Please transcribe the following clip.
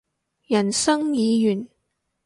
人生已完